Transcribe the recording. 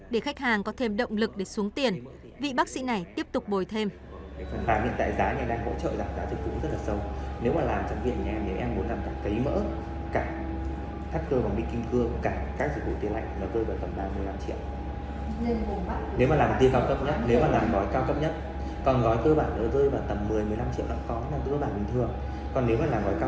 để khách hàng có thêm động lực để xuống tiền vị bác sĩ này tiếp tục bồi thêm